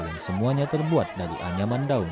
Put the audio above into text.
yang semuanya terbuat dari anyaman daun